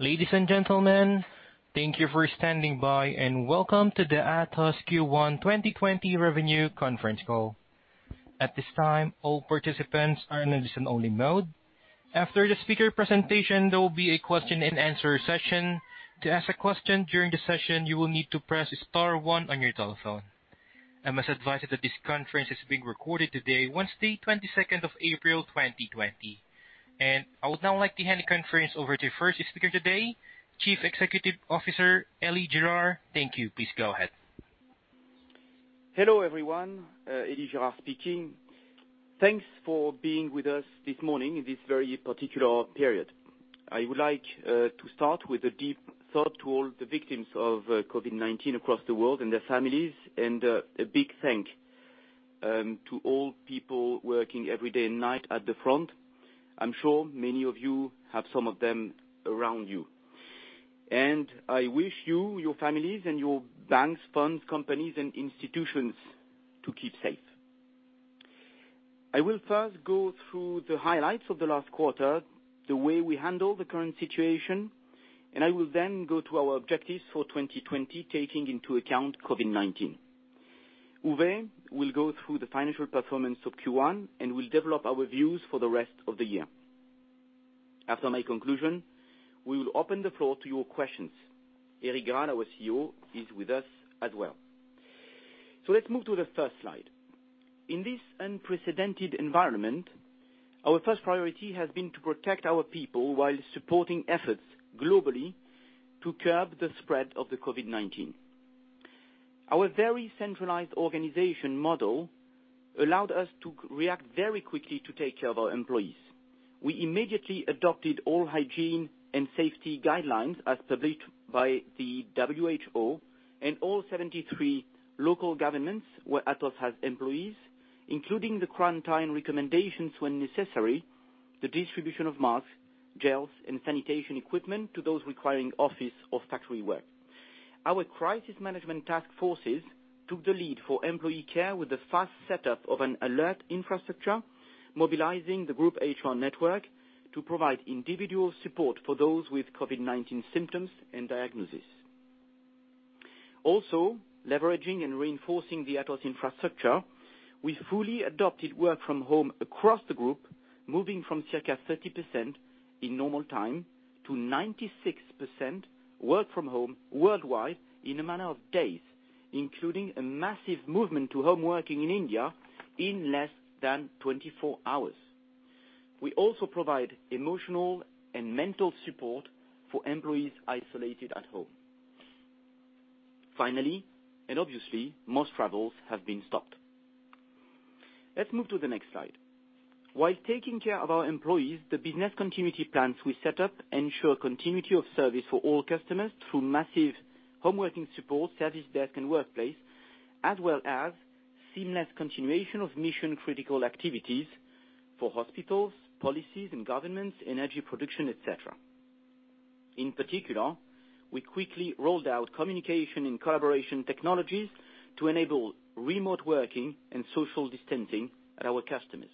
Ladies and gentlemen, thank you for standing by, and welcome to the Atos Q1 2020 Revenue Conference Call. At this time, all participants are in a listen-only mode. After the speaker presentation, there will be a question and answer session. To ask a question during the session, you will need to press star one on your telephone. I must advise you that this conference is being recorded today, Wednesday, twenty-second of April, 2020. I would now like to hand the conference over to our first speaker today, Chief Executive Officer, Elie Girard. Thank you. Please go ahead. Hello, everyone, Élie Girard speaking. Thanks for being with us this morning in this very particular period. I would like to start with a deep thought to all the victims of COVID-19 across the world and their families, and a big thanks to all people working every day and night at the front. I'm sure many of you have some of them around you. And I wish you, your families, and your banks, funds, companies, and institutions to keep safe. I will first go through the highlights of the last quarter, the way we handle the current situation, and I will then go to our objectives for 2020, taking into account COVID-19. Uwe will go through the financial performance of Q1, and will develop our views for the rest of the year. After my conclusion, we will open the floor to your questions. Eric Grall, our COO is with us as well. Let's move to the first slide. In this unprecedented environment, our first priority has been to protect our people while supporting efforts globally to curb the spread of the COVID-19. Our very centralized organization model allowed us to react very quickly to take care of our employees. We immediately adopted all hygiene and safety guidelines as published by the WHO and all 73 local governments where Atos has employees, including the quarantine recommendations when necessary, the distribution of masks, gels, and sanitation equipment to those requiring office or factory work. Our crisis management task forces took the lead for employee care with the fast setup of an alert infrastructure, mobilizing the group HR network to provide individual support for those with COVID-19 symptoms and diagnosis. Also, leveraging and reinforcing the Atos infrastructure, we fully adopted work from home across the group, moving from circa 30% in normal time to 96% work from home worldwide in a matter of days, including a massive movement to home working in India in less than 24 hours. We also provide emotional and mental support for employees isolated at home. Finally, and obviously, most travels have been stopped. Let's move to the next slide. While taking care of our employees, the business continuity plans we set up ensure continuity of service for all customers through massive home working support, service desk, and workplace, as well as seamless continuation of mission-critical activities for hospitals, police and governments, energy production, etc. In particular, we quickly rolled out communication and collaboration technologies to enable remote working and social distancing at our customers.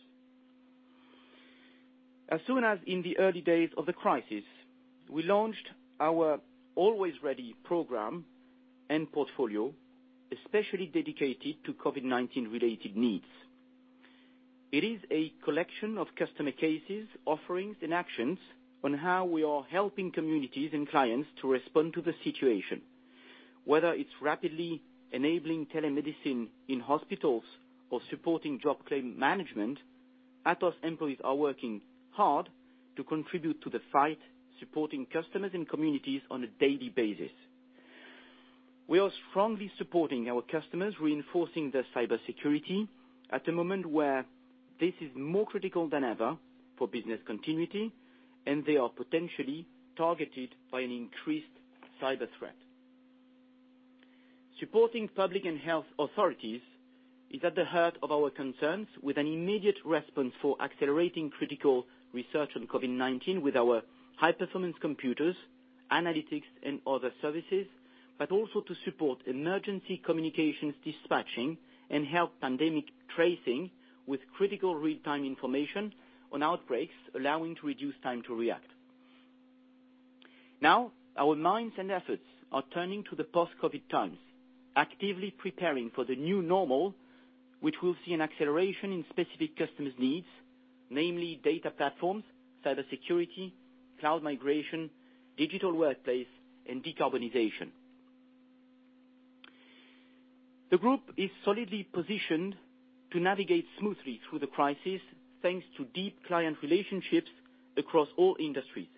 As soon as in the early days of the crisis, we launched our Always Ready program and portfolio, especially dedicated to COVID-19 related needs. It is a collection of customer cases, offerings, and actions on how we are helping communities and clients to respond to the situation. Whether it's rapidly enabling telemedicine in hospitals or supporting job claim management, Atos employees are working hard to contribute to the fight, supporting customers and communities on a daily basis. We are strongly supporting our customers, reinforcing their cybersecurity at a moment where this is more critical than ever for business continuity, and they are potentially targeted by an increased cyber threat. Supporting public and health authorities is at the heart of our concerns, with an immediate response for accelerating critical research on COVID-19 with our high-performance computers, analytics, and other services, but also to support emergency communications dispatching and help pandemic tracing with critical real-time information on outbreaks, allowing to reduce time to react. Now, our minds and efforts are turning to the post-COVID times, actively preparing for the new normal, which will see an acceleration in specific customers' needs, namely data platforms, cybersecurity, cloud migration, Digital Workplace, and decarbonization. The group is solidly positioned to navigate smoothly through the crisis, thanks to deep client relationships across all industries,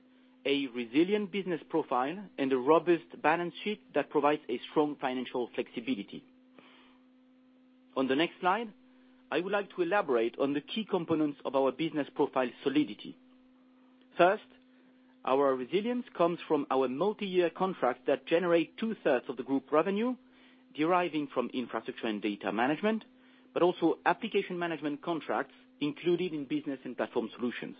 a resilient business profile, and a robust balance sheet that provides a strong financial flexibility. On the next slide, I would like to elaborate on the key components of our business profile solidity. First, our resilience comes from our multi-year contracts that generate two-thirds of the group revenue, deriving from Infrastructure & Data Management, but also application management contracts included in Business & Platform Solutions.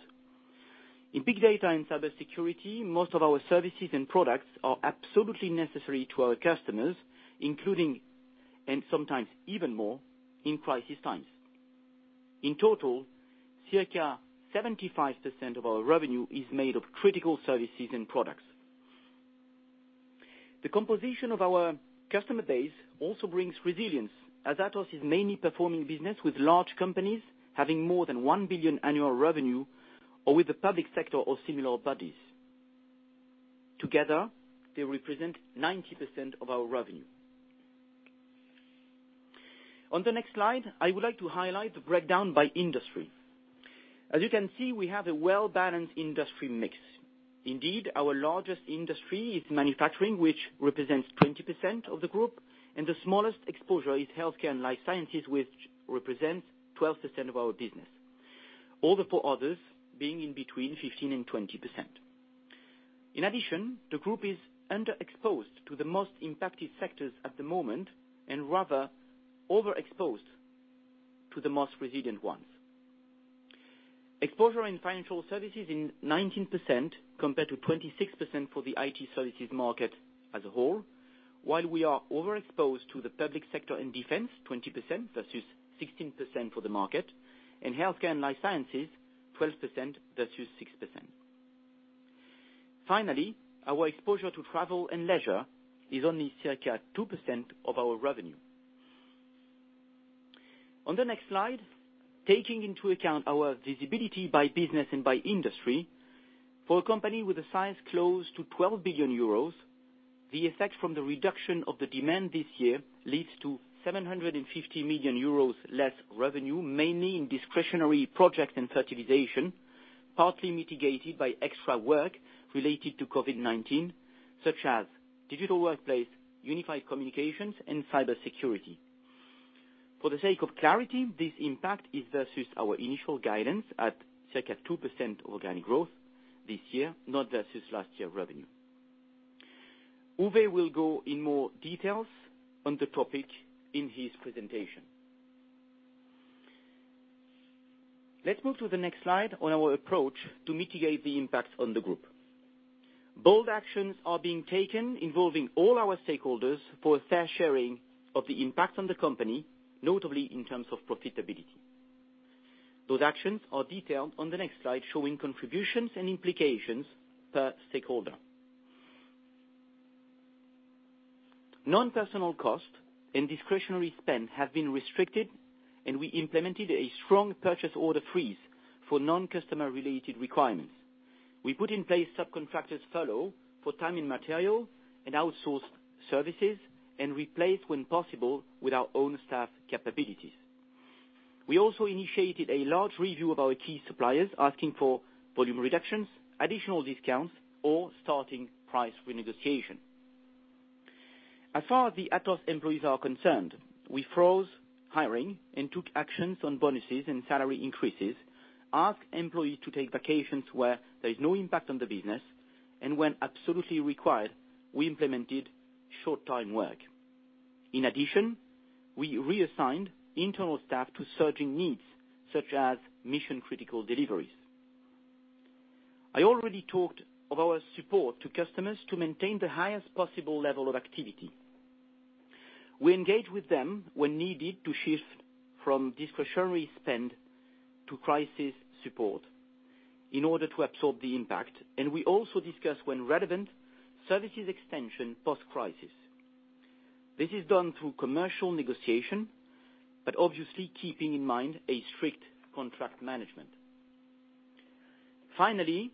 In Big Data & Cybersecurity, most of our services and products are absolutely necessary to our customers, including, and sometimes even more, in crisis times. In total, circa 75% of our revenue is made of critical services and products. The composition of our customer base also brings resilience, as Atos is mainly performing business with large companies having more than one billion annual revenue or with the public sector or similar bodies. Together, they represent 90% of our revenue. On the next slide, I would like to highlight the breakdown by industry. As you can see, we have a well-balanced industry mix. Indeed, our largest industry is Manufacturing, which represents 20% of the group, and the smallest exposure is Healthcare & Life Sciences, which represents 12% of our business. All the four others being in between 15% and 20%. In addition, the group is under exposed to the most impacted sectors at the moment and rather overexposed to the most resilient ones. Exposure in financial services in 19% compared to 26% for the IT services market as a whole, while we are overexposed to the Public Sector & Defense, 20% versus 16% for the market, and Healthcare & Life Sciences, 12% versus 6%. Finally, our exposure to travel and leisure is only circa 2% of our revenue. On the next slide, taking into account our visibility by business and by industry, for a company with a size close to 12 billion euros, the effect from the reduction of the demand this year leads to 750 million euros less revenue, mainly in discretionary projects and virtualization, partly mitigated by extra work related to COVID-19, such as Digital Workplace, Unified Communications, and cybersecurity. For the sake of clarity, this impact is versus our initial guidance at circa 2% organic growth this year, not versus last year's revenue. Uwe will go in more details on the topic in his presentation. Let's move to the next slide on our approach to mitigate the impact on the group. Bold actions are being taken, involving all our stakeholders for a fair sharing of the impact on the company, notably in terms of profitability. Those actions are detailed on the next slide, showing contributions and implications per stakeholder. Non-personal costs and discretionary spend have been restricted, and we implemented a strong purchase order freeze for non-customer related requirements. We put in place subcontractors follow for time and material and outsourced services, and replaced when possible, with our own staff capabilities. We also initiated a large review of our key suppliers, asking for volume reductions, additional discounts, or starting price renegotiation. As far as the Atos employees are concerned, we froze hiring and took actions on bonuses and salary increases, asked employees to take vacations where there is no impact on the business, and when absolutely required, we implemented short time work. In addition, we reassigned internal staff to surging needs, such as mission-critical deliveries. I already talked of our support to customers to maintain the highest possible level of activity. We engage with them when needed to shift from discretionary spend to crisis support in order to absorb the impact, and we also discuss when relevant, services extension post-crisis. This is done through commercial negotiation, but obviously keeping in mind a strict contract management. Finally,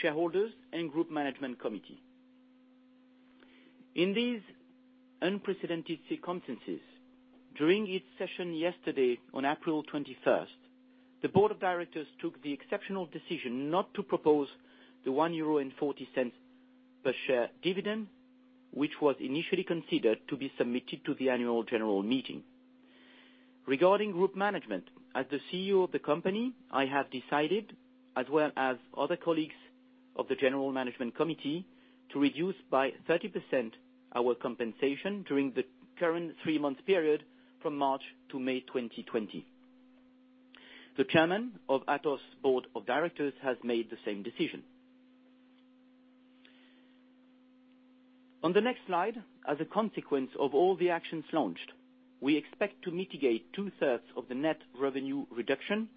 shareholders and group management committee. In these unprecedented circumstances, during its session yesterday on April 21st, the Board of Directors took the exceptional decision not to propose the 1.40 euro per share dividend, which was initially considered to be submitted to the Annual General Meeting. Regarding group management, as the CEO of the company, I have decided, as well as other colleagues of the General Management Committee, to reduce by 30% our compensation during the current three-month period from March to May 2020. The chairman of Atos' Board of Directors has made the same decision. On the next slide, as a consequence of all the actions launched, we expect to mitigate two-thirds of the net revenue reduction,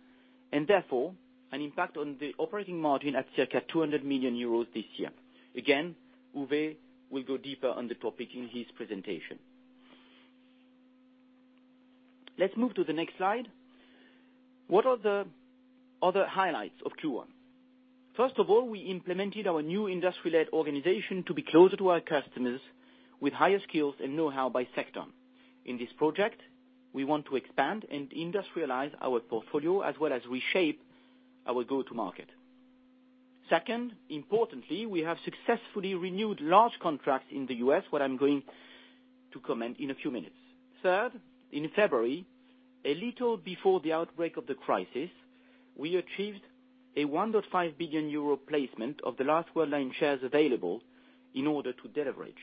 and therefore an impact on the operating margin at circa 200 million euros this year. Again, Uwe will go deeper on the topic in his presentation. Let's move to the next slide. What are the other highlights of Q1? First of all, we implemented our new industry-led organization to be closer to our customers with higher skills and know-how by sector. In this project, we want to expand and industrialize our portfolio as well as reshape our go-to market. Second, importantly, we have successfully renewed large contracts in the U.S., what I'm going to comment in a few minutes. Third, in February, a little before the outbreak of the crisis, we achieved a 1.5 billion euro placement of the last Worldline shares available in order to deleverage.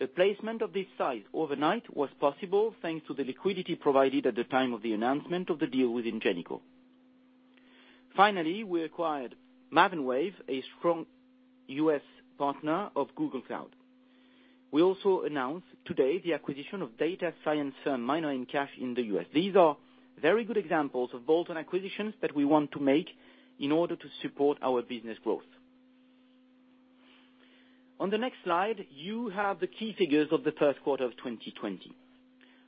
The placement of this size overnight was possible, thanks to the liquidity provided at the time of the announcement of the deal with Ingenico. Finally, we acquired Maven Wave, a strong U.S. partner of Google Cloud. We also announced today the acquisition of data science firm, Miner & Kasch, in the U.S. These are very good examples of bolt-on acquisitions that we want to make in order to support our business growth. On the next slide, you have the key figures of the first quarter of 2020.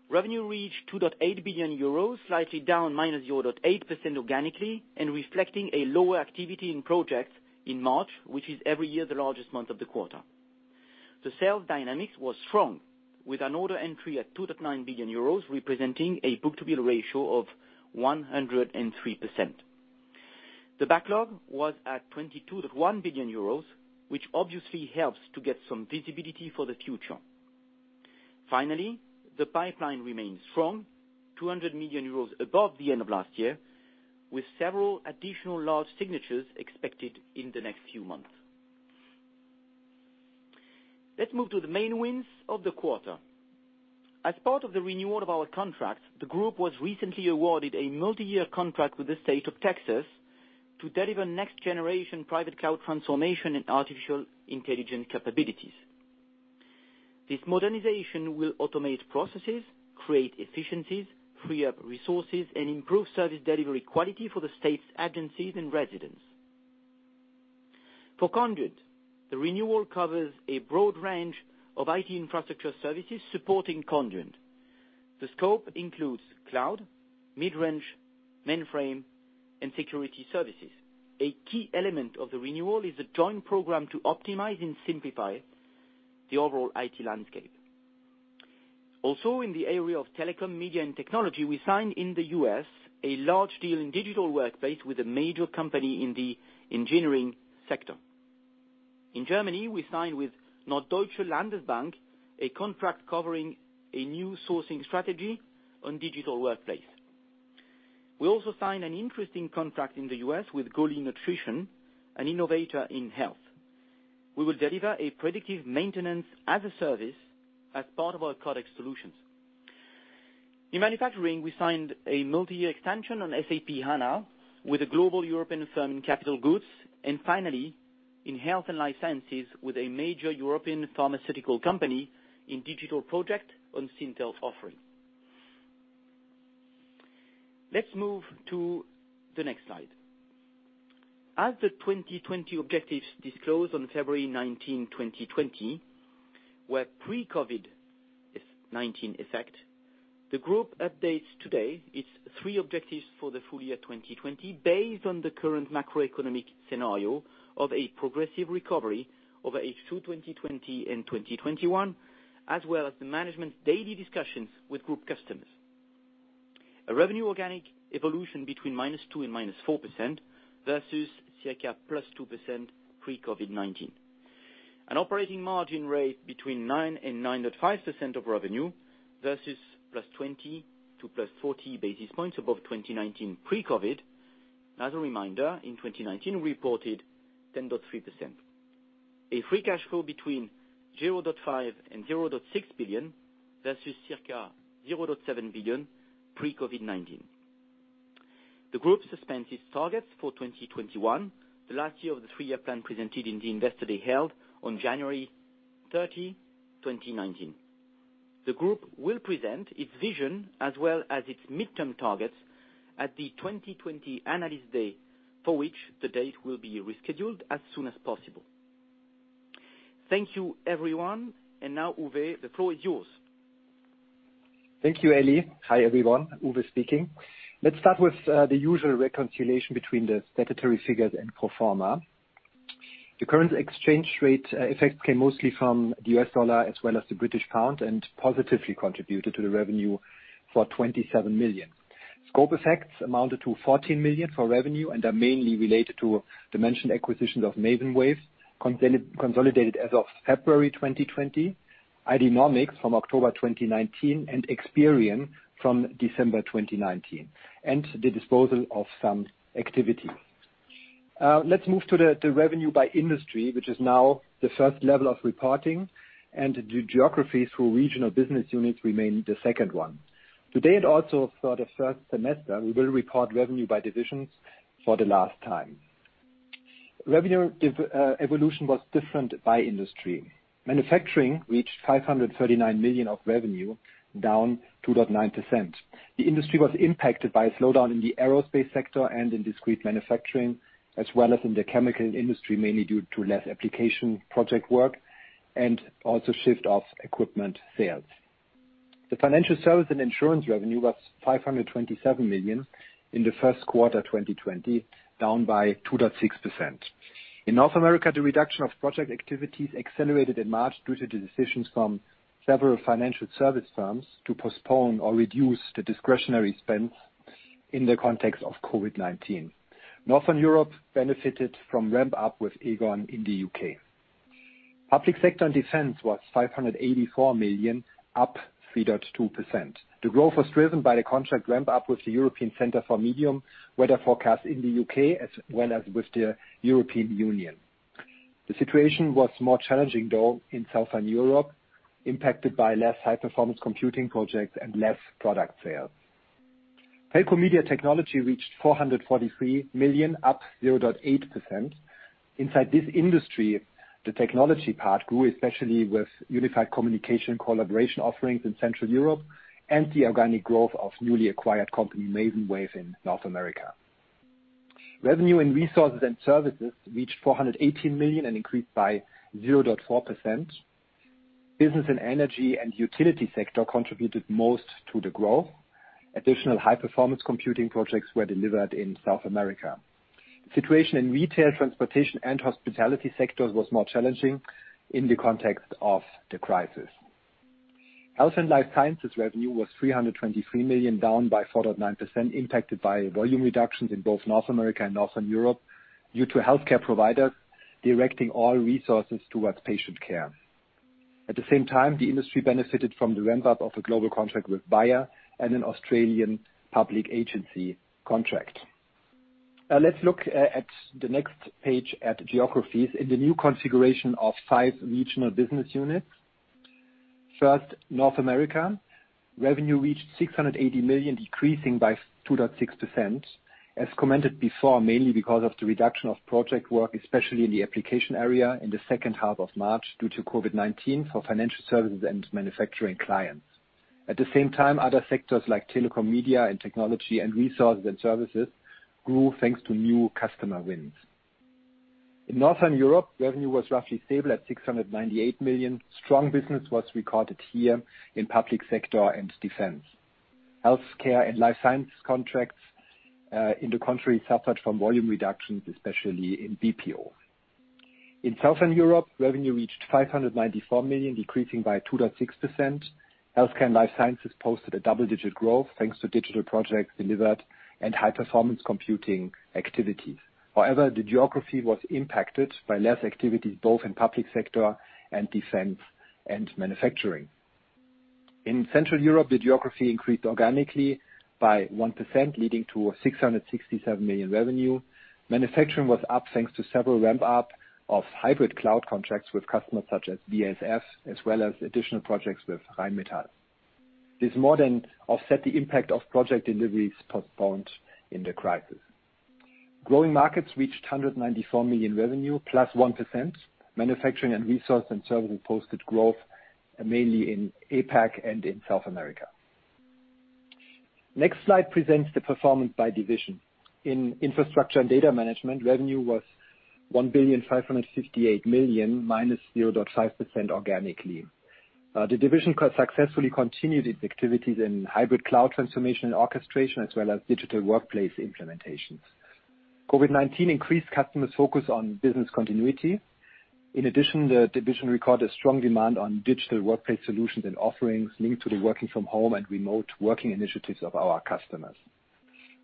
Revenue reached 2.8 billion euros, slightly down -0.8% organically, and reflecting a lower activity in projects in March, which is every year the largest month of the quarter. The sales dynamics was strong, with an order entry at 2.9 billion euros, representing a book-to-bill ratio of 103%. The backlog was at 22.1 billion euros, which obviously helps to get some visibility for the future. Finally, the pipeline remains strong, 200 million euros above the end of last year, with several additional large signatures expected in the next few months. Let's move to the main wins of the quarter. As part of the renewal of our contract, the group was recently awarded a multi-year contract with the state of Texas to deliver next generation private cloud transformation and artificial intelligence capabilities. This modernization will automate processes, create efficiencies, free up resources, and improve service delivery quality for the state's agencies and residents. For Conduent, the renewal covers a broad range of IT infrastructure services supporting Conduent. The scope includes cloud, mid-range, mainframe, and security services. A key element of the renewal is a joint program to optimize and simplify the overall IT landscape. Also, in the area of Telecom, Media & Technology, we signed in the U.S. a large deal in Digital Workplace with a major company in the engineering sector. In Germany, we signed with Norddeutsche Landesbank, a contract covering a new sourcing strategy on Digital Workplace. We also signed an interesting contract in the U.S. with Glanbia, an innovator in health. We will deliver a predictive maintenance-as-a-service as part of our Codex solutions. In Manufacturing, we signed a multi-year extension on SAP HANA with a global European firm in capital goods, and finally, in Health & Life Sciences, with a major European pharmaceutical company in digital project on Syntel's offering. Let's move to the next slide. As the 2020 objectives disclosed on February 19, 2020, were pre-COVID-19 effect, the group updates today its three objectives for the full year 2020, based on the current macroeconomic scenario of a progressive recovery over H2 2020 and 2021, as well as the management's daily discussions with group customers. A revenue organic evolution between -2% and -4% versus circa +2% pre-COVID-19. An operating margin rate between 9% and 9.5% of revenue versus +20 to +40 basis points above 2019 pre-COVID. As a reminder, in twenty nineteen, we reported 10.3%. A free cash flow between 0.5 billion and 0.6 billion versus circa 0.7 billion pre-COVID-19. The group suspended its targets for 2021, the last year of the three-year plan presented in the Investor Day held on January thirty, twenty nineteen. The group will present its vision as well as its midterm targets at the 2020 Analyst Day, for which the date will be rescheduled as soon as possible. Thank you, everyone. And now, Uwe, the floor is yours. Thank you, Elie. Hi, everyone, Uwe speaking. Let's start with the usual reconciliation between the statutory figures and pro forma. The current exchange rate effect came mostly from the US dollar as well as the British pound, and positively contributed to the revenue for 27 million. Scope effects amounted to 14 million for revenue and are mainly related to the mentioned acquisitions of Maven Wave, consolidated as of February 2020, IDnomic from October 2019, and X-Perion from December 2019, and the disposal of some activity. Let's move to the revenue by industry, which is now the first level of reporting, and the geography through regional business units remain the second one. Today, and also for the first semester, we will record revenue by divisions for the last time. Revenue evolution was different by industry. Manufacturing reached 539 million of revenue, down 2.9%. The industry was impacted by a slowdown in the aerospace sector and in discrete Manufacturing, as well as in the chemical industry, mainly due to less application project work and also shift of equipment sales. The Financial Services & Insurance revenue was 527 million in the first quarter 2020, down by 2.6%. In North America, the reduction of project activities accelerated in March due to the decisions from several financial service firms to postpone or reduce the discretionary spend in the context of COVID-19. Northern Europe benefited from ramp up with Aegon in the UK. Public Sector & Defense was 584 million, up 3.2%. The growth was driven by the contract ramp up with the European Centre for Medium-Range Weather Forecasts in the UK, as well as with the European Union. The situation was more challenging, though, in Southern Europe, impacted by less high-performance computing projects and less product sales. Telecom Media & Technology reached 443 million, up 0.8%. Inside this industry, the technology part grew, especially with Unified Communications collaboration offerings in Central Europe and the organic growth of newly acquired company, Maven Wave, in North America. Revenue in Resources & Services reached 418 million and increased by 0.4%. Business and energy and utility sector contributed most to the growth. Additional high-performance computing projects were delivered in South America. The situation in retail, transportation, and hospitality sectors was more challenging in the context of the crisis. Health & Life Sciences revenue was 323 million, down by 4.9%, impacted by volume reductions in both North America and Northern Europe due to healthcare providers directing all resources towards patient care. At the same time, the industry benefited from the ramp up of a global contract with Bayer and an Australian public agency contract. Let's look at the next page at geographies in the new configuration of five regional business units. First, North America. Revenue reached 680 million, decreasing by 2.6%. As commented before, mainly because of the reduction of project work, especially in the application area in the second half of March, due to COVID-19 for financial services and Manufacturing clients. At the same time, other sectors like Telecom, Media & Technology, and Resources & Services, grew thanks to new customer wins. In Northern Europe, revenue was roughly stable at 698 million. Strong business was recorded here in Public Sector & Defense. Healthcare & Life Sciences contracts in the country suffered from volume reductions, especially in BPO. In Southern Europe, revenue reached 594 million, decreasing by 2.6%. Healthcare & Life Sciences posted a double-digit growth, thanks to digital projects delivered and high-performance computing activities. However, the geography was impacted by less activity, both in Public Sector & Defense and Manufacturing. In Central Europe, the geography increased organically by 1%, leading to 667 million revenue. Manufacturing was up, thanks to several ramp up of hybrid cloud contracts with customers such as BASF, as well as additional projects with Rheinmetall. This more than offset the impact of project deliveries postponed in the crisis. Growing Markets reached 194 million revenue, +1%. Manufacturing and Resource & Services posted growth, mainly in APAC and in South America. Next slide presents the performance by division. In Infrastructure and Data Management, revenue was 1,558 million, -0.5% organically. The division successfully continued its activities in hybrid cloud transformation and orchestration, as well as Digital Workplace implementations. COVID-19 increased customers' focus on business continuity. In addition, the division recorded strong demand on Digital Workplace solutions and offerings linked to the working from home and remote working initiatives of our customers,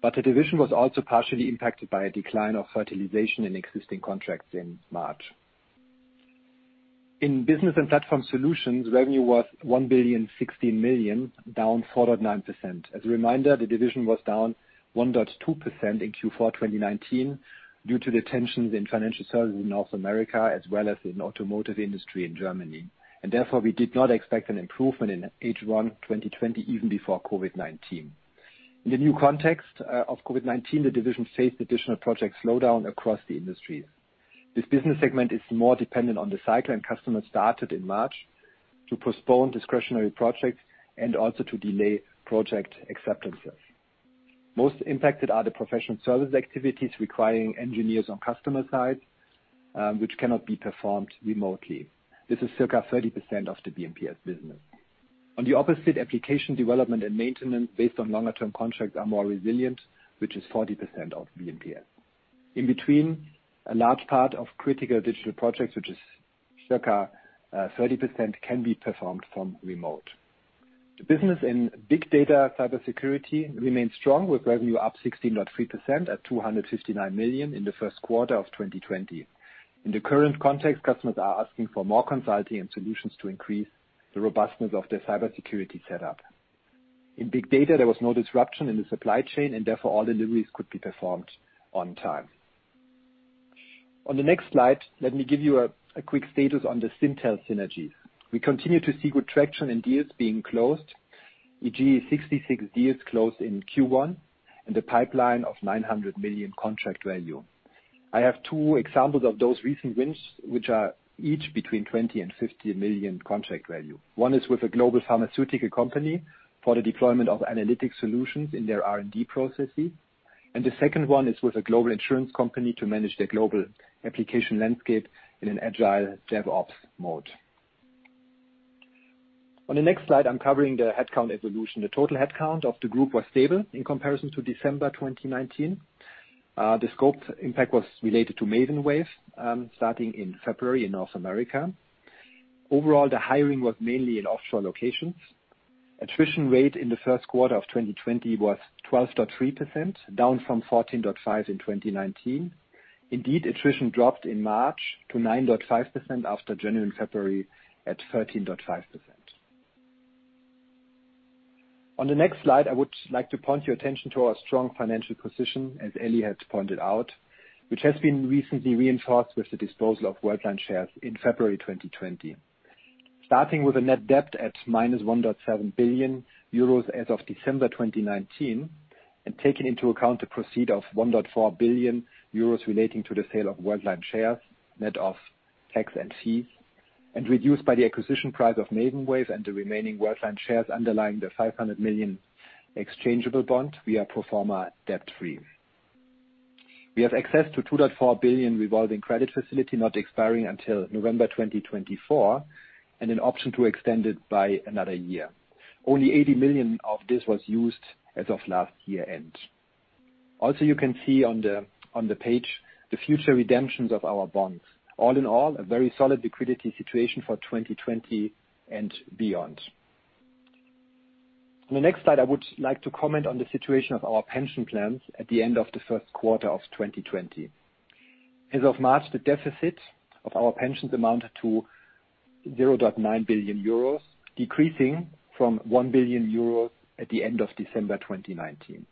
but the division was also partially impacted by a decline of utilization in existing contracts in March. In Business and Platform Solutions, revenue was 1,016 million, down 4.9%. As a reminder, the division was down 1.2% in Q4, 2019, due to the tensions in financial services in North America, as well as in automotive industry in Germany. Therefore, we did not expect an improvement in H1, 2020, even before COVID-19. In the new context of COVID-19, the division faced additional project slowdown across the industry. This business segment is more dependent on the cycle, and customers started in March to postpone discretionary projects and also to delay project acceptances. Most impacted are the professional services activities requiring engineers on customer side, which cannot be performed remotely. This is circa 30% of the B&PS business. On the opposite, application development and maintenance based on longer term contracts are more resilient, which is 40% of B&PS. In between, a large part of critical digital projects, which is circa 30%, can be performed from remote. The business in Big Data & Cybersecurity remains strong, with revenue up 16.3% at 259 million in the first quarter of 2020. In the current context, customers are asking for more consulting and solutions to increase the robustness of their cybersecurity setup. In Big Data, there was no disruption in the supply chain, and therefore, all deliveries could be performed on time. On the next slide, let me give you a quick status on the Syntel synergies. We continue to see good traction in deals being closed. e.g., 66 deals closed in Q1 and a pipeline of 900 million contract value. I have two examples of those recent wins, which are each between 20 million and 50 million contract value. One is with a global pharmaceutical company for the deployment of analytic solutions in their R&D processes, and the second one is with a global insurance company to manage their global application landscape in an agile DevOps mode. On the next slide, I'm covering the headcount evolution. The total headcount of the group was stable in comparison to December 2019. The scope impact was related to Maven Wave, starting in February in North America. Overall, the hiring was mainly in offshore locations. Attrition rate in the first quarter of 2020 was 12.3%, down from 14.5% in 2019. Indeed, attrition dropped in March to 9.5% after January and February at 13.5%. On the next slide, I would like to point your attention to our strong financial position, as Elie has pointed out, which has been recently reinforced with the disposal of Worldline shares in February 2020. Starting with a net debt at minus 1.7 billion euros as of December 2019, and taking into account the proceeds of 1.4 billion euros relating to the sale of Worldline shares, net of tax and fees, and reduced by the acquisition price of Maven Wave and the remaining Worldline shares underlying the 500 million exchangeable bond, we are pro forma debt-free. We have access to 2.4 billion revolving credit facility not expiring until November 2024, and an option to extend it by another year. Only 80 million of this was used as of last year end. Also, you can see on the page, the future redemptions of our bonds. All in all, a very solid liquidity situation for 2020 and beyond. On the next slide, I would like to comment on the situation of our pension plans at the end of the first quarter of 2020. As of March, the deficit of our pensions amounted to 0.9 billion euros, decreasing from 1 billion euros at the end of December 2019.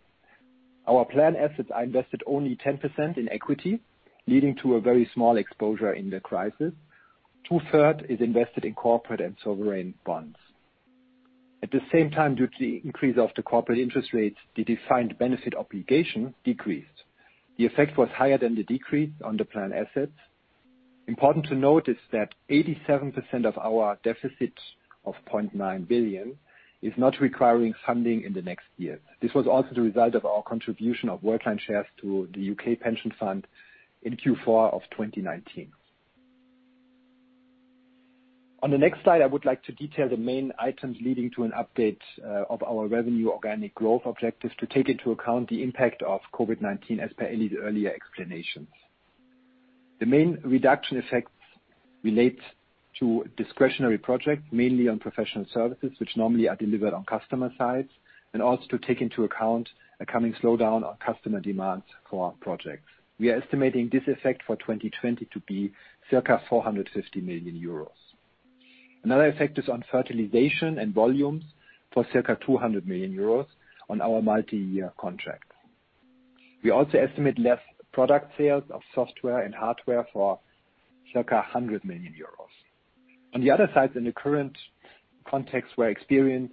Our plan assets are invested only 10% in equity, leading to a very small exposure in the crisis. Two-thirds is invested in corporate and sovereign bonds. At the same time, due to the increase of the corporate interest rates, the defined benefit obligation decreased. The effect was higher than the decrease on the plan assets. Important to note is that 87% of our deficit of €0.9 billion is not requiring funding in the next year. This was also the result of our contribution of Worldline shares to the U.K. pension fund in Q4 of 2019. On the next slide, I would like to detail the main items leading to an update of our revenue organic growth objectives to take into account the impact of COVID-19, as per Elie's earlier explanations. The main reduction effects relate to discretionary projects, mainly on professional services, which normally are delivered on customer sites, and also to take into account a coming slowdown on customer demands for our projects. We are estimating this effect for 2020 to be circa €450 million. Another effect is on utilization and volumes for circa €200 million on our multi-year contract. We also estimate less product sales of software and hardware for circa 100 million euros. On the other side, in the current context we are experiencing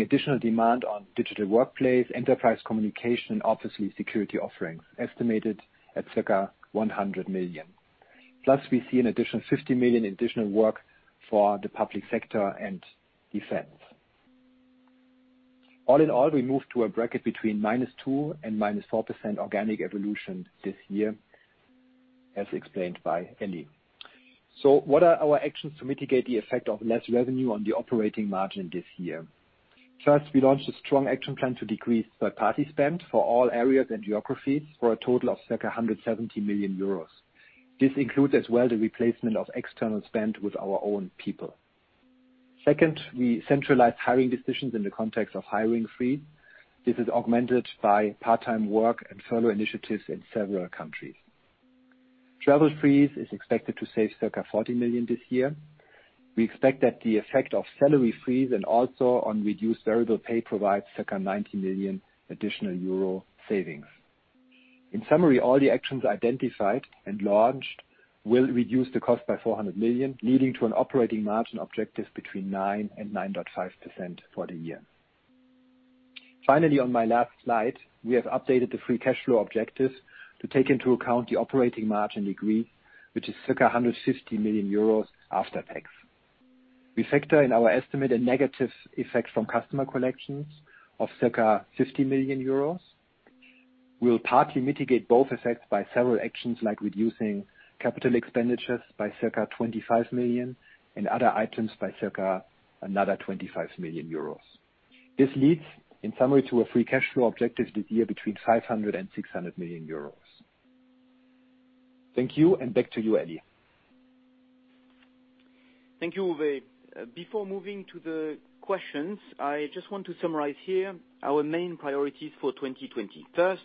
additional demand on Digital Workplace, enterprise communication, and obviously, security offerings, estimated at circa 100 million. Plus, we see an additional 50 million in additional work for the Public Sector & Defense. All in all, we move to a bracket between -2% and -4% organic evolution this year, as explained by Elie. So what are our actions to mitigate the effect of less revenue on the operating margin this year? First, we launched a strong action plan to decrease third-party spend for all areas and geographies for a total of circa 170 million euros. This includes as well, the replacement of external spend with our own people. Second, we centralized hiring decisions in the context of hiring freeze. This is augmented by part-time work and furlough initiatives in several countries. Travel freeze is expected to save circa 40 million this year. We expect that the effect of salary freeze and also on reduced variable pay provides circa 90 million additional euro savings. In summary, all the actions identified and launched will reduce the cost by 400 million, leading to an operating margin objective between 9% and 9.5% for the year. Finally, on my last slide, we have updated the free cash flow objectives to take into account the operating margin decrease, which is circa 150 million euros after tax. We factor in our estimated negative effects from customer collections of circa 50 million euros. We'll partly mitigate both effects by several actions, like reducing capital expenditures by circa 25 million and other items by circa another 25 million euros. This leads, in summary, to a free cash flow objective this year between 500 million euros and 600 million euros. Thank you, and back to you, Elie. Thank you, Uwe. Before moving to the questions, I just want to summarize here our main priorities for 2020. First,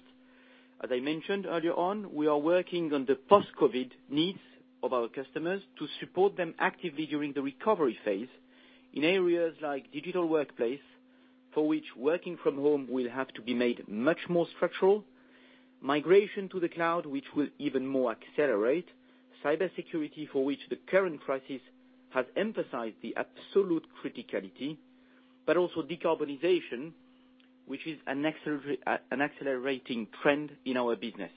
as I mentioned earlier on, we are working on the post-COVID needs of our customers to support them actively during the recovery phase in areas like Digital Workplace, for which working from home will have to be made much more structural, migration to the cloud, which will even more accelerate, cybersecurity, for which the current crisis has emphasized the absolute criticality, but also decarbonization, which is an accelerating trend in our business.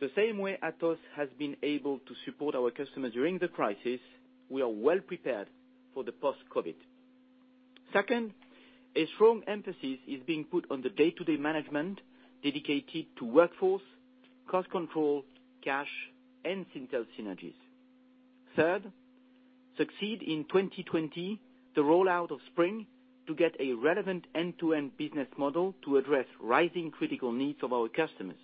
The same way Atos has been able to support our customers during the crisis, we are well prepared for the post-COVID. Second, a strong emphasis is being put on the day-to-day management dedicated to workforce, cost control, cash, and Syntel synergies. Third, succeed in 2020, the rollout of Spring to get a relevant end-to-end business model to address rising critical needs of our customers.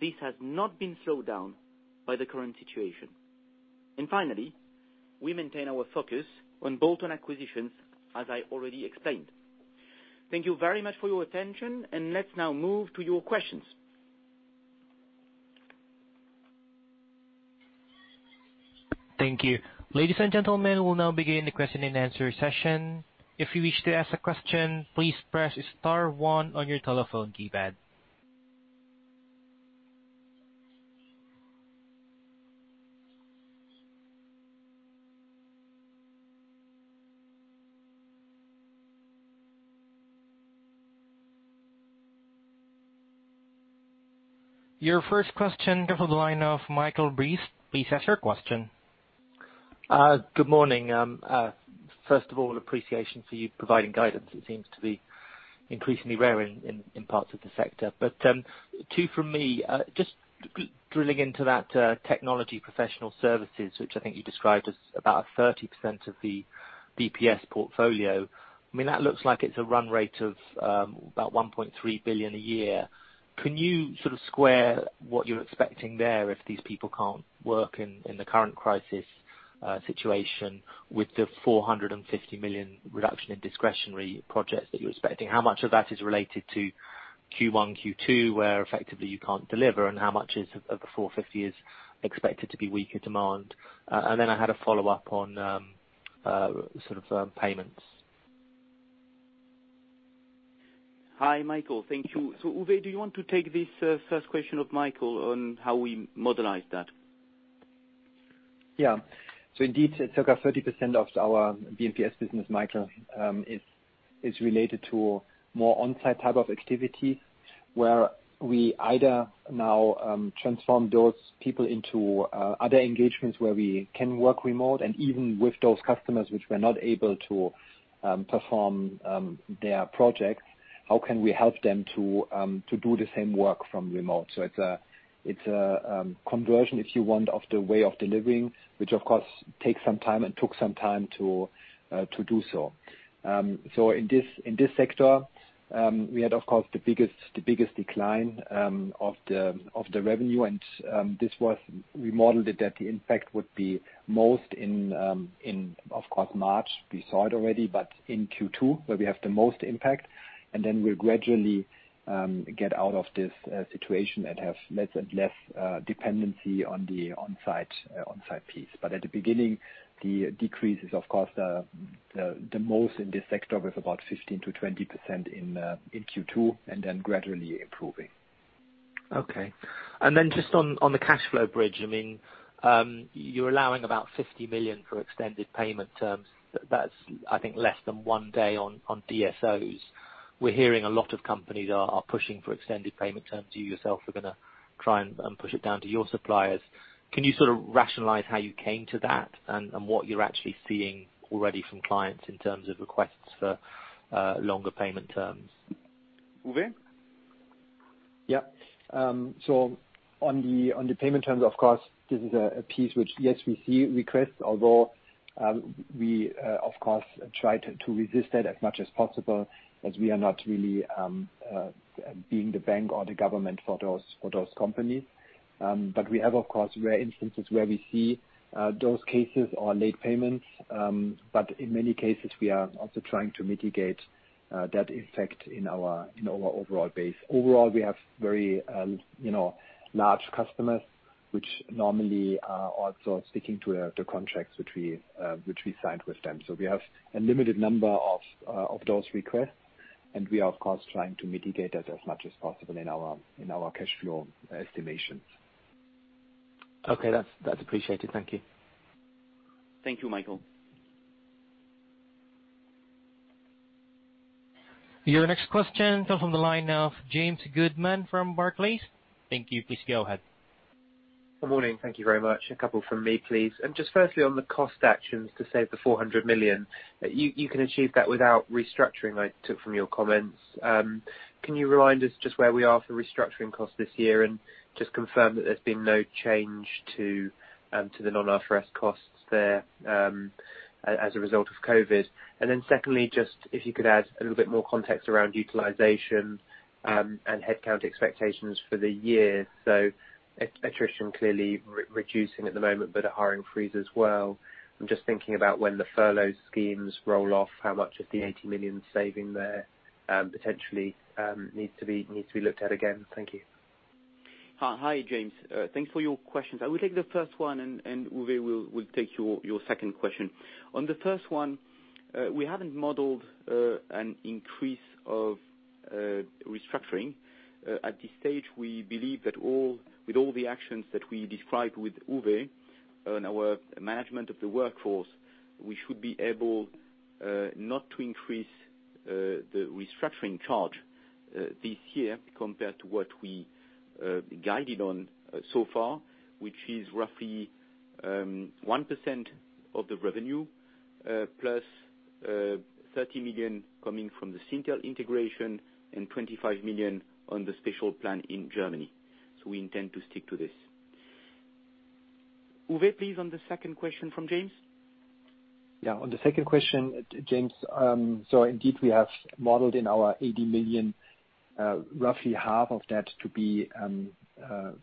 This has not been slowed down by the current situation. And finally, we maintain our focus on bolt-on acquisitions, as I already explained. Thank you very much for your attention, and let's now move to your questions.... Thank you. Ladies and gentlemen, we'll now begin the question and answer session. If you wish to ask a question, please press star one on your telephone keypad. Your first question comes from the line of Michael Briest. Please ask your question. Good morning. First of all, appreciation for you providing guidance. It seems to be increasingly rare in parts of the sector. But two from me, just drilling into that, technology professional services, which I think you described as about 30% of the BPS portfolio. I mean, that looks like it's a run rate of about 1.3 billion EUR a year. Can you sort of square what you're expecting there if these people can't work in the current crisis situation with the 450 million reduction in discretionary projects that you're expecting? How much of that is related to Q1, Q2, where effectively you can't deliver, and how much is, of the 450, expected to be weaker demand? And then I had a follow-up on sort of payments. Hi, Michael, thank you. So Uwe, do you want to take this first question of Michael on how we modelize that? Yeah. So indeed, it's circa 30% of our B&PS business, Michael, is related to more on-site type of activity, where we either now transform those people into other engagements where we can work remote, and even with those customers, which we're not able to perform their projects, how can we help them to do the same work from remote? So it's a conversion, if you want, of the way of delivering, which, of course, takes some time and took some time to do so. So in this sector, we had, of course, the biggest decline of the revenue. And this was. We modeled it, that the impact would be most in, of course, March. We saw it already, but in Q2, where we have the most impact, and then we'll gradually get out of this situation and have less and less dependency on the on-site piece. But at the beginning, the decrease is, of course, the most in this sector with about 15%-20% in Q2, and then gradually improving. Okay, and then just on the cash flow bridge, I mean, you're allowing about 50 million for extended payment terms. That's, I think, less than one day on DSOs. We're hearing a lot of companies are pushing for extended payment terms. You yourself are gonna try and push it down to your suppliers. Can you sort of rationalize how you came to that, and what you're actually seeing already from clients in terms of requests for longer payment terms? Uwe? Yeah. So on the payment terms, of course, this is a piece which, yes, we see requests, although, we of course try to resist it as much as possible, as we are not really being the bank or the government for those companies. But we have, of course, rare instances where we see those cases on late payments. But in many cases, we are also trying to mitigate that effect in our overall base. Overall, we have very, you know, large customers, which normally are also sticking to the contracts which we signed with them. So we have a limited number of those requests, and we are, of course, trying to mitigate that as much as possible in our cash flow estimations. Okay. That's, that's appreciated. Thank you. Thank you, Michael. Your next question comes from the line of James Goodman from Barclays. Thank you. Please go ahead. Good morning. Thank you very much. A couple from me, please. And just firstly, on the cost actions to save the 400 million, you can achieve that without restructuring, I took from your comments. Can you remind us just where we are for restructuring costs this year, and just confirm that there's been no change to the non-IFRS costs there, as a result of COVID? And then secondly, just if you could add a little bit more context around utilization, and headcount expectations for the year. So attrition clearly reducing at the moment, but a hiring freeze as well. I'm just thinking about when the furlough schemes roll off, how much of the 80 million saving there, potentially, needs to be looked at again. Thank you. Hi, James. Thanks for your questions. I will take the first one, and Uwe will take your second question. On the first one, we haven't modeled an increase of restructuring. At this stage, we believe that with all the actions that we described with Uwe on our management of the workforce, we should be able not to increase the restructuring charge this year compared to what we guided on so far, which is roughly 1% of the revenue, plus 30 million coming from the Syntel integration and 25 million on the special plan in Germany. So we intend to stick to this. Uwe, please, on the second question from James. Yeah, on the second question, James, so indeed, we have modeled in our 80 million, roughly half of that to be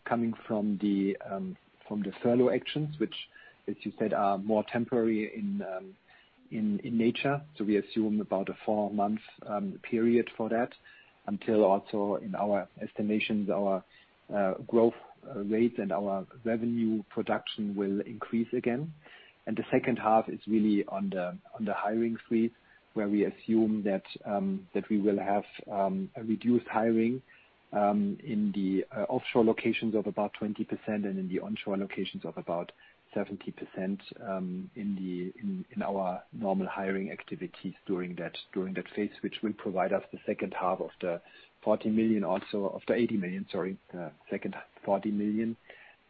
coming from the furlough actions, which, as you said, are more temporary in,... in nature, so we assume about a four-month period for that, until also in our estimations, our growth rate and our revenue production will increase again, and the second half is really on the hiring freeze, where we assume that we will have a reduced hiring in the offshore locations of about 20% and in the onshore locations of about 70% in our normal hiring activities during that phase, which will provide us the second half of the 40 million, also of the 80 million, sorry, second 40 million,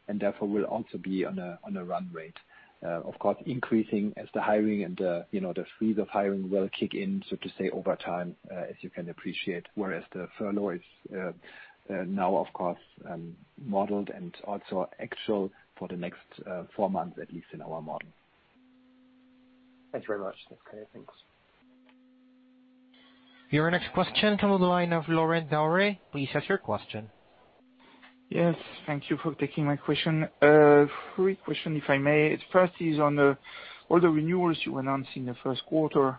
and therefore will also be on a run rate. Of course, increasing as the hiring and, you know, the freeze of hiring will kick in, so to say, over time, as you can appreciate, whereas the furlough is now, of course, modeled and also actual for the next four months, at least in our model. Thanks very much. Okay, thanks. Your next question comes on the line of Laurent Daure. Please ask your question. Yes, thank you for taking my question. Three questions, if I may. First is on all the renewals you announced in the first quarter,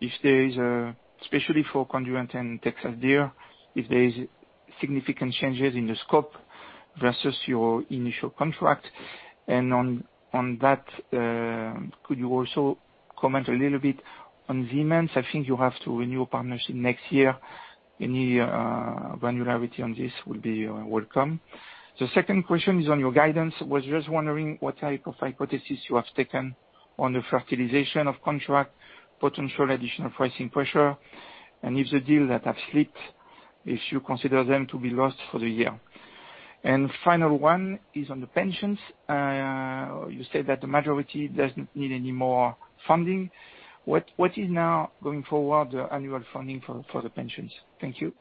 if there is especially for Conduent and Texas DIR, if there is significant changes in the scope versus your initial contract? And on that, could you also comment a little bit on Siemens? I think you have to renew partnership next year. Any granularity on this will be welcome. The second question is on your guidance. I was just wondering what type of hypothesis you have taken on the finalization of contracts, potential additional pricing pressure, and if the deals that have slipped, if you consider them to be lost for the year. And the final one is on the pensions. You said that the majority doesn't need any more funding. What is now going forward, the annual funding for the pensions? Thank you.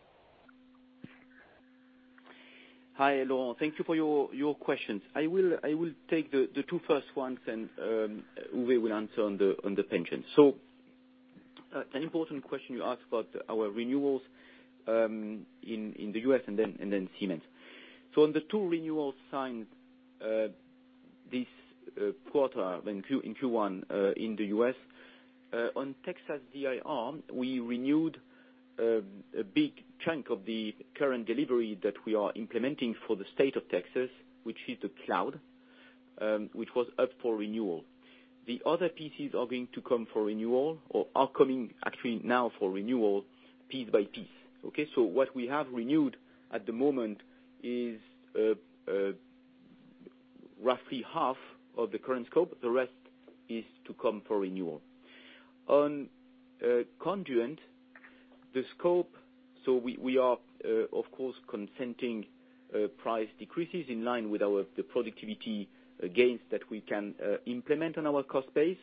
Hi, Laurent. Thank you for your questions. I will take the two first ones, and Uwe will answer on the pensions. So, an important question you asked about our renewals in the US and then Siemens. So on the two renewals signed this quarter in Q1 in the US on Texas DIR, we renewed a big chunk of the current delivery that we are implementing for the state of Texas, which is the cloud, which was up for renewal. The other pieces are going to come for renewal or are coming actually now for renewal piece by piece. Okay? So what we have renewed at the moment is roughly half of the current scope. The rest is to come for renewal. On Conduent, the scope. So we are, of course, consenting to price decreases in line with our productivity gains that we can implement on our cost base.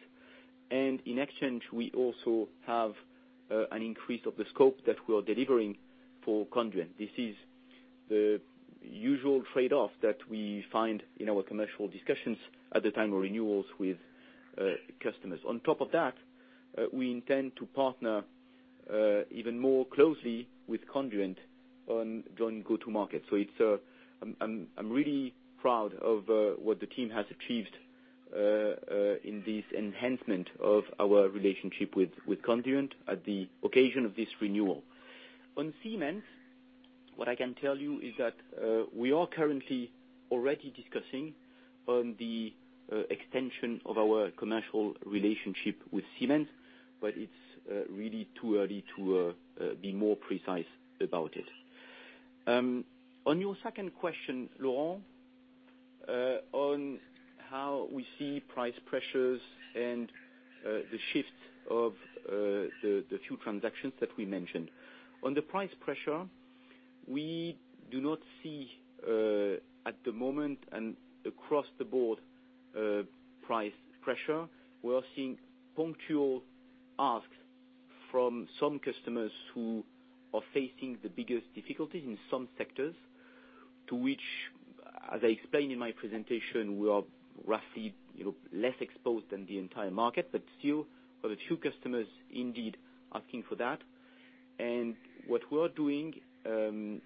And in exchange, we also have an increase of the scope that we are delivering for Conduent. This is the usual trade-off that we find in our commercial discussions at the time of renewals with customers. On top of that, we intend to partner even more closely with Conduent on joint go-to-market. So it's... I'm really proud of what the team has achieved in this enhancement of our relationship with Conduent at the occasion of this renewal. On Siemens, what I can tell you is that, we are currently already discussing on the, extension of our commercial relationship with Siemens, but it's, really too early to, be more precise about it. On your second question, Laurent, on how we see price pressures and, the shift of, the, the few transactions that we mentioned. On the price pressure, we do not see, at the moment and across the board, a price pressure. We are seeing punctual asks from some customers who are facing the biggest difficulties in some sectors, to which, as I explained in my presentation, we are roughly, you know, less exposed than the entire market, but still, there are a few customers indeed asking for that. What we are doing, and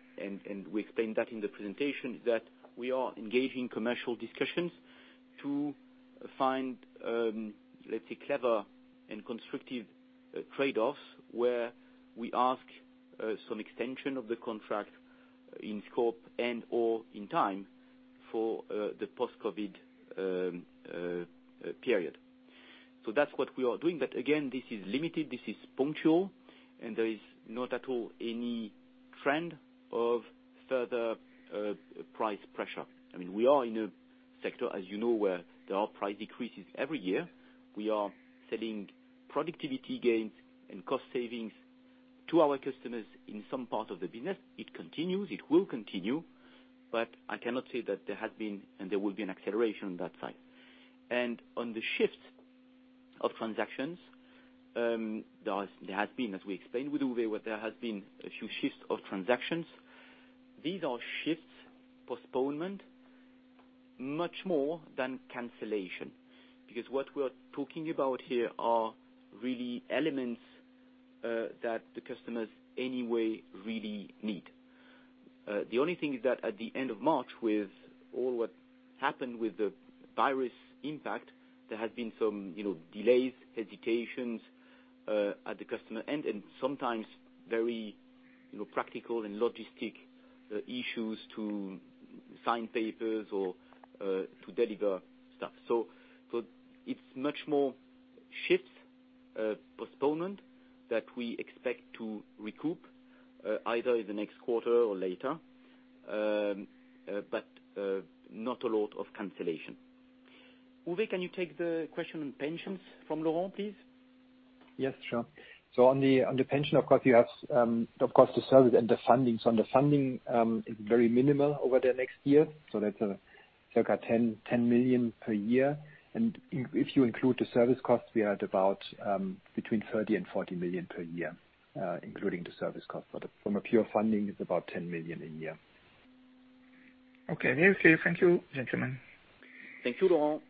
we explained that in the presentation, is that we are engaging commercial discussions to find, let's say, clever and constructive trade-offs, where we ask some extension of the contract in scope and/or in time for the post-COVID period. That's what we are doing, but again, this is limited, this is punctual, and there is not at all any trend of further price pressure. I mean, we are in a sector, as you know, where there are price decreases every year. We are selling productivity gains and cost savings to our customers in some part of the business. It continues, it will continue, but I cannot say that there has been and there will be an acceleration on that side. And on the shift of transactions, there has been, as we explained with Uwe, where there has been a few shifts of transactions. These are shifts, postponement, much more than cancellation, because what we are talking about here are really elements that the customers anyway really need. The only thing is that at the end of March, with all what happened with the virus impact, there had been some, you know, delays, hesitations at the customer end, and sometimes very, you know, practical and logistic issues to sign papers or to deliver stuff. So it's much more shifts, postponement that we expect to recoup either in the next quarter or later, but not a lot of cancellation. Uwe, can you take the question on pensions from Laurent, please? Yes, sure. So on the pension, of course, you have of course the service and the funding. So on the funding is very minimal over the next year, so that's circa 10 million per year. And if you include the service costs, we are at about between 30 million and 40 million per year, including the service cost. But from a pure funding, it's about 10 million a year. Okay. Very okay. Thank you, gentlemen. Thank you, Laurent.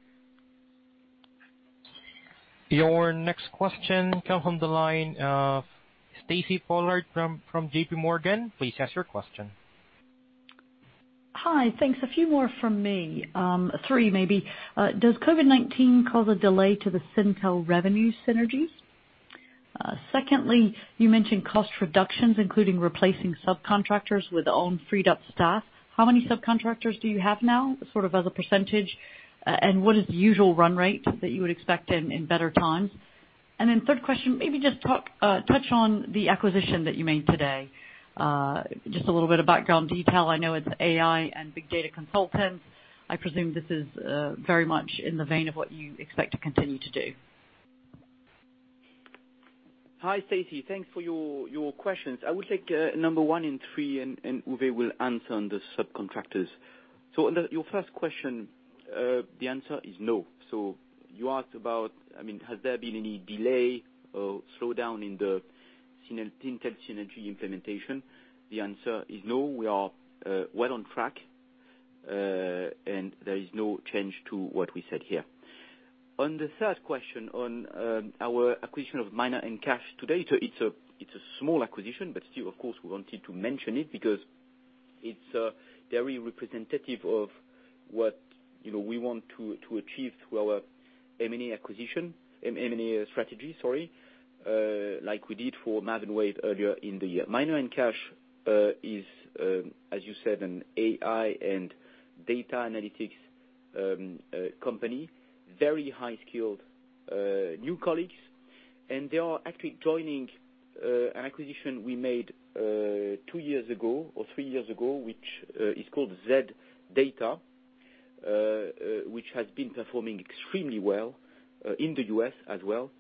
Your next question comes from the line of Stacy Pollard from JPMorgan. Please ask your question. Hi, thanks. A few more from me, three maybe. Does COVID-19 cause a delay to the Syntel revenue synergies? Secondly, you mentioned cost reductions, including replacing subcontractors with own freed up staff. How many subcontractors do you have now, sort of as a percentage? And what is the usual run rate that you would expect in better times? And then third question, maybe just touch on the acquisition that you made today. Just a little bit of background detail. I know it's AI and Big Data consultants. I presume this is very much in the vein of what you expect to continue to do. Hi, Stacy. Thanks for your questions. I will take number one and three, and Uwe will answer on the subcontractors. So on your first question, the answer is no. So you asked about, I mean, has there been any delay or slowdown in the Syntel synergy implementation? The answer is no. We are well on track, and there is no change to what we said here. On the third question, on our acquisition of Miner & Kasch today, so it's a small acquisition, but still, of course, we wanted to mention it because it's very representative of what, you know, we want to achieve through our M&A acquisition, M&A strategy, sorry, like we did for Maven Wave earlier in the year. Miner & Kasch is, as you said, an AI and data analytics company, very high skilled new colleagues, and they are actually joining an acquisition we made two years ago or three years ago, which is called zData, which has been performing extremely well in the U.S. as well.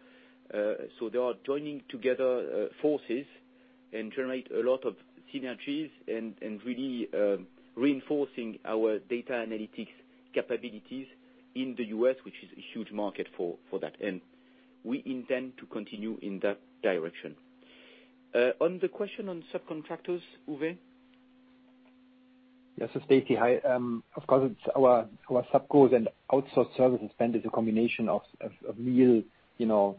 So they are joining together forces and generate a lot of synergies and really reinforcing our data analytics capabilities in the U.S., which is a huge market for that, and we intend to continue in that direction. On the question on subcontractors, Uwe? Yes. So Stacy, hi. Of course, it's our subcontractors and outsource services spend is a combination of real, you know,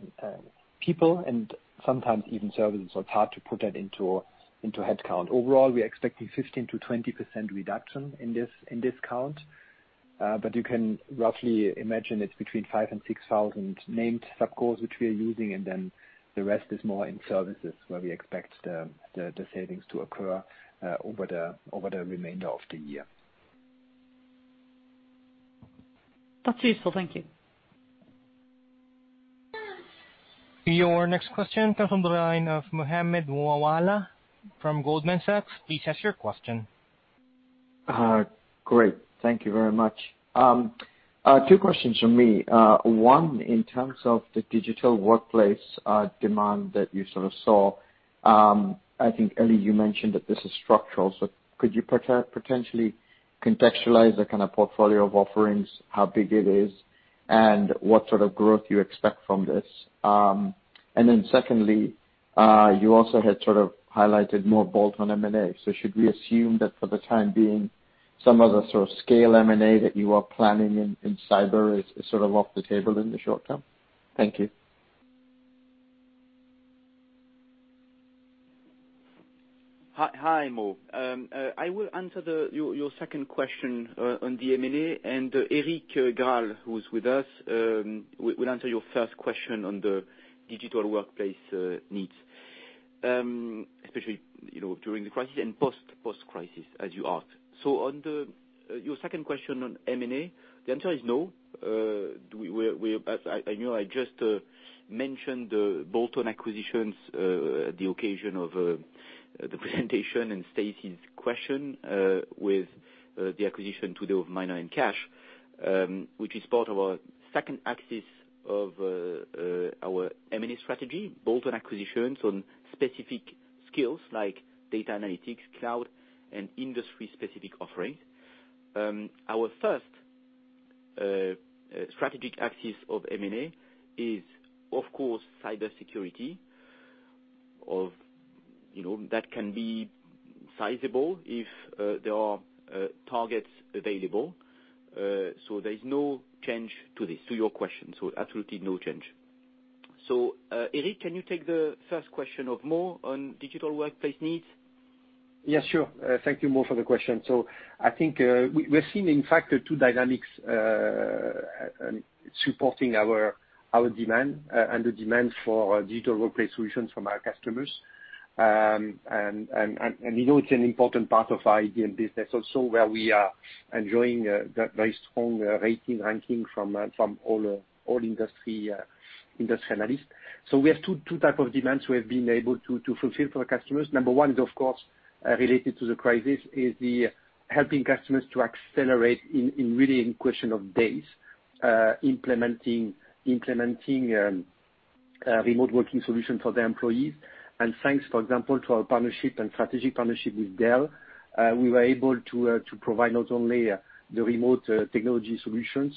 people and sometimes even services, so it's hard to put that into headcount. Overall, we're expecting 15%-20% reduction in this count. But you can roughly imagine it's between 5,000 and 6,000 named subcontractors which we are using, and then the rest is more in services, where we expect the savings to occur over the remainder of the year. That's useful. Thank you. Your next question comes from the line of Mohammed Moawalla from Goldman Sachs. Please ask your question. Great. Thank you very much. Two questions from me. One, in terms of the Digital Workplace, demand that you sort of saw, I think, Eli, you mentioned that this is structural, so could you potentially contextualize the kind of portfolio of offerings, how big it is, and what sort of growth you expect from this? And then secondly, you also had sort of highlighted more bolt-on M&A. So should we assume that for the time being, some of the sort of scale M&A that you are planning in cyber is sort of off the table in the short term? Thank you. Hi, hi, Mo. I will answer your second question on the M&A, and Eric Grall, who's with us, will answer your first question on the Digital Workplace needs. Especially, you know, during the crisis and post-crisis, as you asked. So on your second question on M&A, the answer is no. Do we? We're, as I know I just mentioned the bolt-on acquisitions, the occasion of the presentation and Stacy's question, with the acquisition of Miner & Kasch, which is part of our second axis of our M&A strategy, bolt-on acquisitions on specific skills like data analytics, cloud, and industry-specific offerings. Our first strategic axis of M&A is, of course, cybersecurity of... You know, that can be sizable if there are targets available. So there is no change to this, to your question, so absolutely no change. So, Eric, can you take the first question of Mo on Digital Workplace needs? Yeah, sure. Thank you, Mo, for the question. So I think, we're seeing, in fact, the two dynamics supporting our demand and the demand for Digital Workplace solutions from our customers. And, you know, it's an important part of our IDM business also, where we are enjoying a very strong rating, ranking from all industry analysts. So we have two types of demands we have been able to fulfill for our customers. Number one is, of course, related to the crisis, is the helping customers to accelerate in really in question of days, implementing remote working solutions for their employees. Thanks, for example, to our partnership and strategic partnership with Dell, we were able to provide not only the remote technology solutions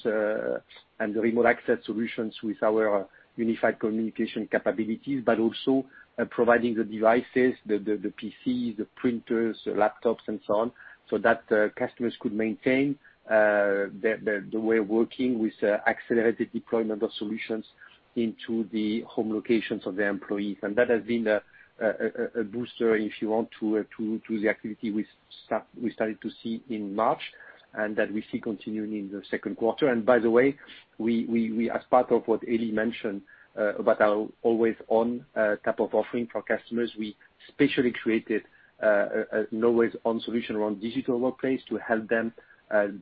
and the remote access solutions with our unified communication capabilities, but also providing the devices, the PCs, the printers, the laptops and so on, so that customers could maintain the way of working with accelerated deployment of solutions into the home locations of their employees. That has been a booster, if you want, to the activity we started to see in March, and that we see continuing in the second quarter. And by the way, we as part of what Elie mentioned about our always-on type of offering for customers, we specially created a always-on solution around Digital Workplace to help them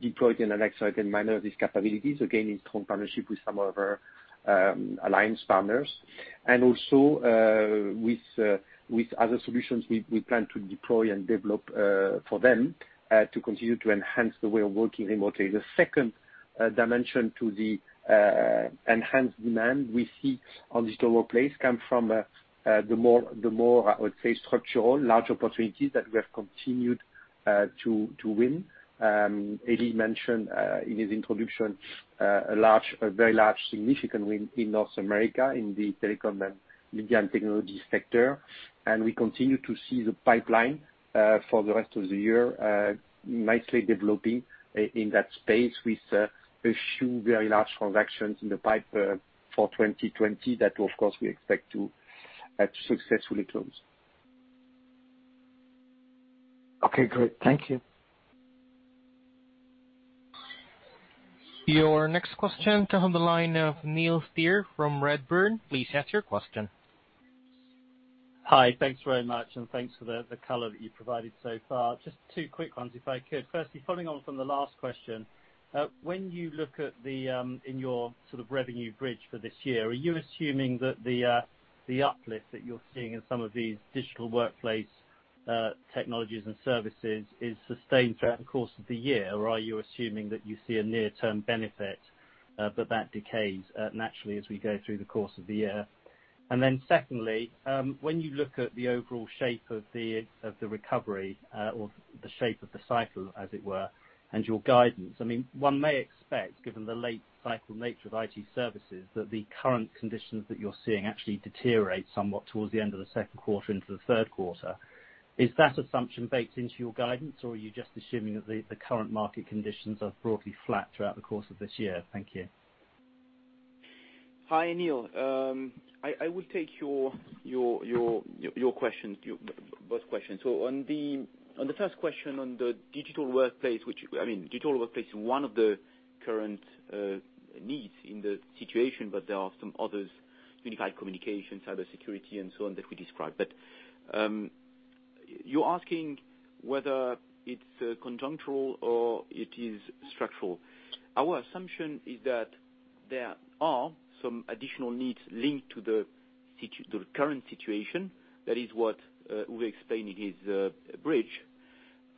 deploy in an accelerated manner these capabilities, again, in strong partnership with some of our alliance partners, and also with other solutions we plan to deploy and develop for them to continue to enhance the way of working remotely. The second dimension to the enhanced demand we see on Digital Workplace come from the more, I would say, structural, large opportunities that we have continued to win. Elie mentioned in his introduction a large, a very large significant win in North America, in the telecom and media and technology sector. We continue to see the pipeline for the rest of the year nicely developing in that space with a few very large transactions in the pipe for 2020, that of course we expect to successfully close. Okay, great. Thank you. Your next question comes on the line of Neil Steer from Redburn. Please ask your question. Hi. Thanks very much, and thanks for the color that you've provided so far. Just two quick ones, if I could. Firstly, following on from the last question, when you look at in your sort of revenue bridge for this year, are you assuming that the uplift that you're seeing in some of these Digital Workplace technologies and services is sustained throughout the course of the year? Or are you assuming that you see a near-term benefit, but that decays naturally as we go through the course of the year? And then secondly, when you look at the overall shape of the recovery, or the shape of the cycle, as it were, and your guidance, I mean, one may expect, given the late cycle nature of IT services, that the current conditions that you're seeing actually deteriorate somewhat towards the end of the second quarter into the third quarter. Is that assumption baked into your guidance, or are you just assuming that the current market conditions are broadly flat throughout the course of this year? Thank you. Hi, Neil. I will take your question, both questions. So on the first question, on the Digital Workplace, which, I mean, Digital Workplace is one of the current needs in the situation, but there are some others, unified communication, cybersecurity, and so on, that we described. But you're asking whether it's conjunctural or it is structural. Our assumption is that there are some additional needs linked to the current situation. That is what Uwe explained in his bridge.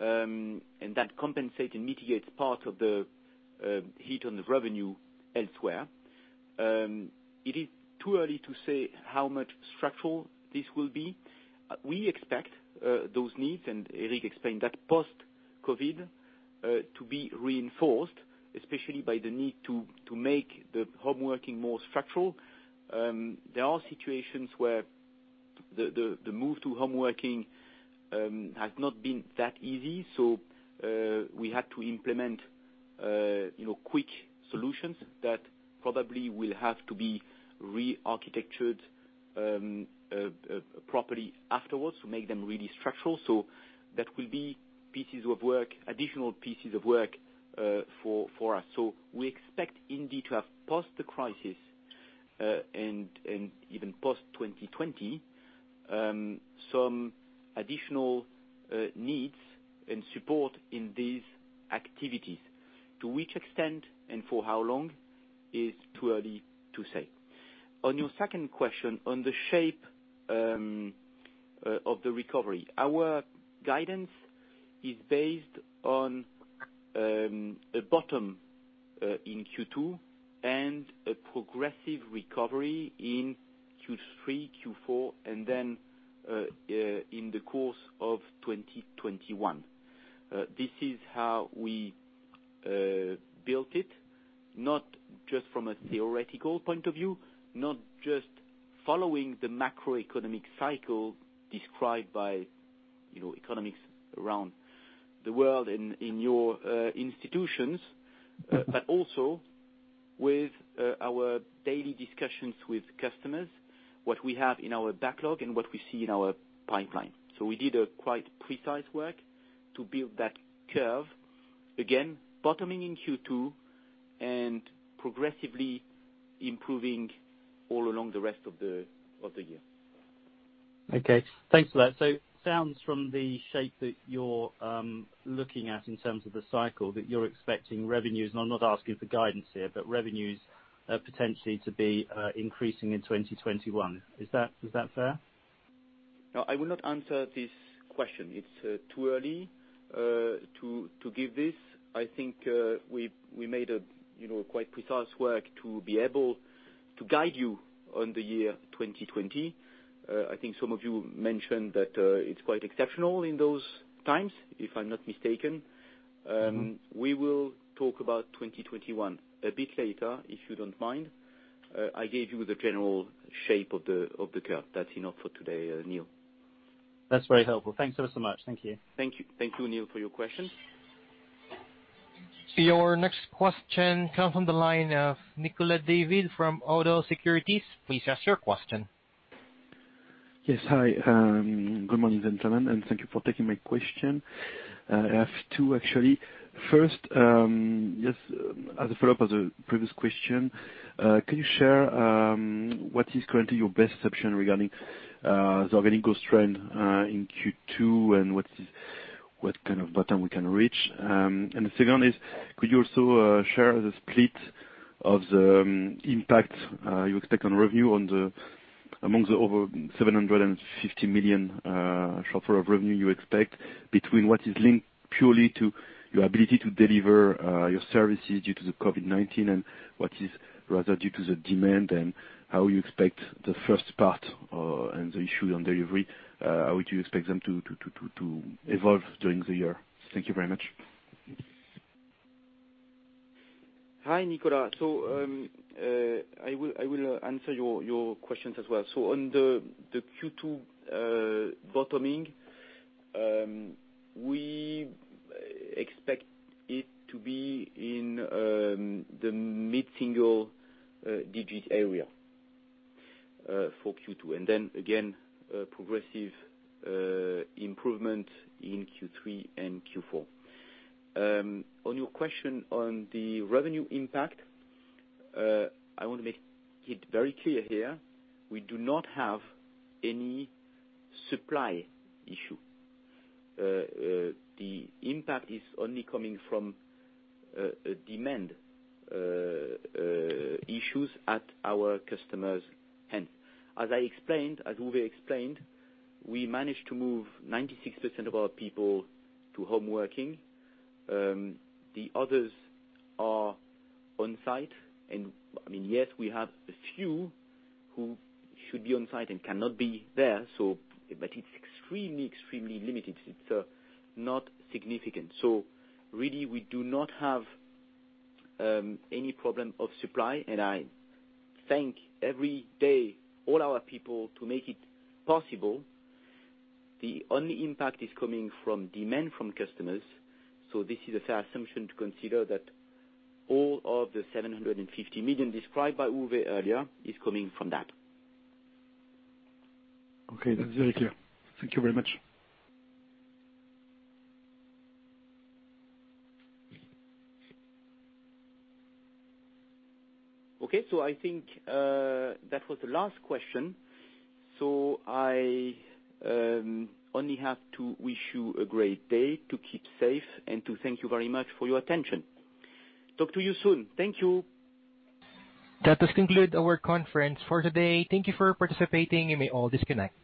And that compensate and mitigates part of the hit on the revenue elsewhere. It is too early to say how much structural this will be. We expect those needs, and Eric explained that, post-COVID, to be reinforced, especially by the need to make the home working more structural. There are situations where the move to home working has not been that easy, so we had to implement, you know, quick solutions that probably will have to be re-architectured properly afterwards to make them really structural. So that will be pieces of work, additional pieces of work, for us. So we expect indeed to have post the crisis, and even post-2020, some additional needs and support in these activities. To which extent and for how long is too early to say. On your second question, on the shape of the recovery, our guidance is based on a bottom in Q2, and a progressive recovery in Q3, Q4, and then in the course of 2021. This is how we built it, not just from a theoretical point of view, not just following the macroeconomic cycle described by, you know, economics around us, the world in your institutions, but also with our daily discussions with customers, what we have in our backlog and what we see in our pipeline. We did a quite precise work to build that curve. Again, bottoming in Q2 and progressively improving all along the rest of the year. Okay, thanks for that. So sounds from the shape that you're looking at in terms of the cycle, that you're expecting revenues, and I'm not asking for guidance here, but revenues potentially to be increasing in 2021. Is that fair? No, I will not answer this question. It's too early to give this. I think we made a, you know, quite precise work to be able to guide you on the year 2020. I think some of you mentioned that it's quite exceptional in those times, if I'm not mistaken. We will talk about 2021 a bit later, if you don't mind. I gave you the general shape of the curve. That's enough for today, Neil. That's very helpful. Thanks ever so much. Thank you. Thank you. Thank you, Neil, for your question. Your next question comes on the line of Nicolas David from Oddo BHF. Please ask your question. Yes. Hi, good morning, gentlemen, and thank you for taking my question. I have two, actually. First, just as a follow-up to a previous question, can you share what is currently your best perception regarding the organic growth trend in Q2, and what kind of bottom we can reach? And the second is, could you also share the split of the impact you expect on revenue amongst the over 750 million short of revenue you expect, between what is linked purely to your ability to deliver your services due to the COVID-19, and what is rather due to the demand, and how you expect the first part and the issue on delivery, how would you expect them to to evolve during the year? Thank you very much. Hi, Nicolas. I will answer your questions as well. On the Q2 bottoming, we expect it to be in the mid-single digit area for Q2, and then again, a progressive improvement in Q3 and Q4. On your question on the revenue impact, I want to make it very clear here. We do not have any supply issue. The impact is only coming from a demand issues at our customers' end. As I explained, as Uwe explained, we managed to move 96% of our people to home working. The others are on site, and I mean, yes, we have a few who should be on site and cannot be there, so... But it's extremely limited. It's not significant. Really, we do not have any problem of supply, and I thank every day all our people to make it possible. The only impact is coming from demand from customers, so this is a fair assumption to consider that all of the 750 million described by Uwe earlier is coming from that. Okay. That's very clear. Thank you very much. Okay, so I think that was the last question. So I only have to wish you a great day, to keep safe, and to thank you very much for your attention. Talk to you soon. Thank you. That does conclude our conference for today. Thank you for participating. You may all disconnect.